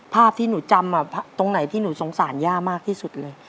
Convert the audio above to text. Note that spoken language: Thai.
ภาพที่หนูจำตรงไหนที่หนูสงสารย่ามากที่สุดเลย